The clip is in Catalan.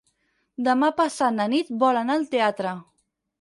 Demà passat na Nit vol anar al teatre.